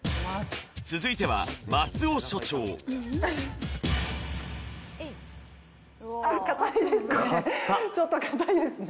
続いては松尾所長かたいですね